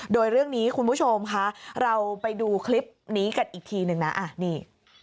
โดยเรื่องนี้คุณผู้ชมค่ะเราไปดูคลิปนี้กันอีกทีหนึ่งนะอ่ะนี่